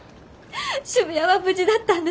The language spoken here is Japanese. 渋谷は無事だったんですね。